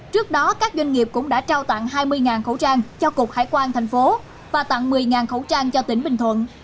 trước đó các doanh nghiệp cũng đã trao tặng hai mươi khẩu trang cho cục hải quan thành phố và tặng một mươi khẩu trang cho tỉnh bình thuận